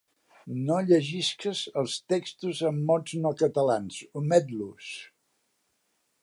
No llegisques els textos amb mots no catalans, omet-los!